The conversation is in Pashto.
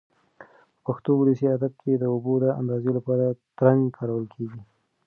په پښتو ولسي ادب کې د اوبو د اندازې لپاره ترنګ کارول کېږي.